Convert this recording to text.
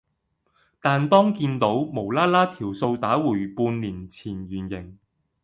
但當見倒無啦啦條數打回半年前原形